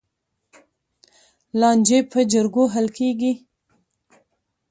لانجې په جرګو حل کېږي.